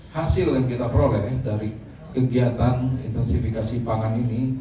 hasil yang kita peroleh dari kegiatan intensifikasi pangan ini